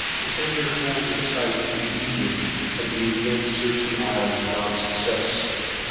The tender hove in sight in the evening, and we again searched the isles without success.